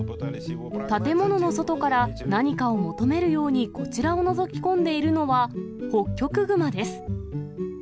建物の外から何かを求めるようにこちらをのぞき込んでいるのは、ホッキョクグマです。